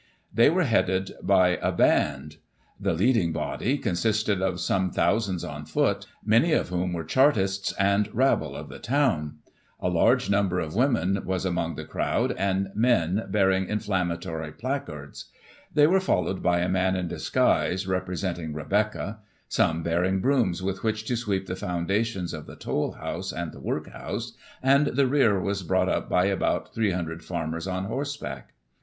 They were headed by a band. The leading body consisted of some thousands on foot, many of whom were Chartists and rabble of the town ; a large number of women was among the crowd, and men bearing inflammatory placards. They were followed by a man in disguise, representing Rebecca; some bearing brooms with which to sweep the foundations of the tollhouse and the work house, and the rear was brought up by about 300 farmers on horseback.